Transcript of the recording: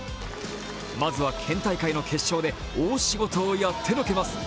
まずは県大会の決勝で大仕事をやってのけます。